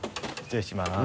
失礼します。